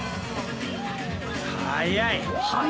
速い！